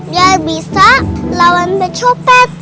gak bisa lawan bercopet